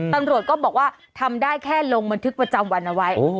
ตำรวจก็บอกว่าทำได้แค่ลงบันทึกประจำวันเอาไว้